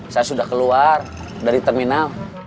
saya sudah keluar dari terminal